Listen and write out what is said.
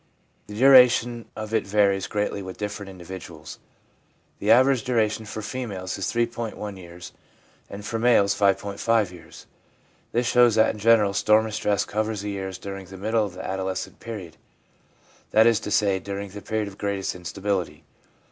The duration of it varies greatly with different individuals ; the average duration for females is 3.1 years, and for males 5.5 years. This shows that in general storm and stress covers the years during the middle of the adolescent period ; that is to say, during the period of greatest instability.